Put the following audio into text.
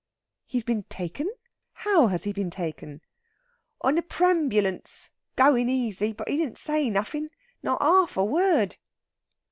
"He's been taken? How has he been taken?" "On a perambulance. Goin' easy! But he didn't say nothin'. Not harf a word!"